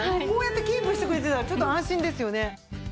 こうやってキープしてくれてたらちょっと安心ですよね。